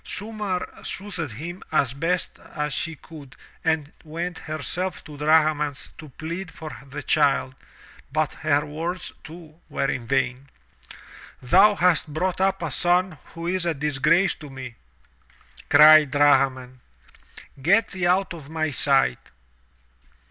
Sumarr soothed him as best she could and went herself to Drahman to plead for the child, but her words, too, were in vain. "Thou hast brought up a son who is a disgrace to me," cried Drahman. "Get thee out of my sight!"